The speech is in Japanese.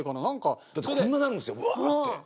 だってこんななるんですようわーって。